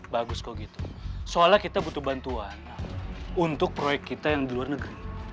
bagus kok gitu soalnya kita butuh bantuan untuk proyek kita yang di luar negeri